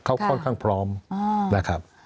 เขาค่อนข้างพร้อมนะครับ